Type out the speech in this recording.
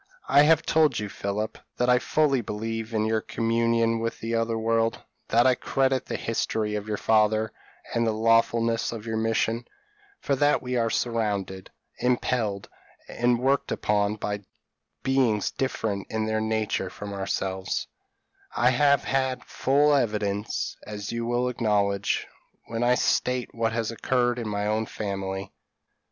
I have told you, Philip, that I fully believe in your communion with the other world that I credit the history of your father, and the lawfulness of your mission; for that we are surrounded, impelled, and worked upon by beings different in their nature from ourselves, I have had full evidence, as you will acknowledge, when I state what has occurred in my own family.